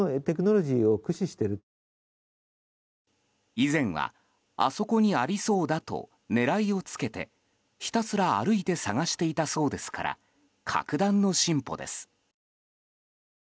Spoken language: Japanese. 以前は、あそこにありそうだと狙いをつけてひたすら歩いて探していたそうですから格段の進歩です。